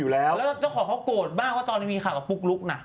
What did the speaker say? แล้วเจ้าของเขาโกดบ้างตอนนี้มีกลุ่งของปุ๊กลูกนะ